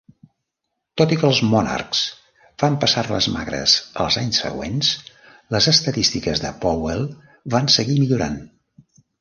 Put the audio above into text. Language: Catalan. Tot i que els Monarchs van passar-les magres els anys següents, les estadístiques de Powell van seguir millorant.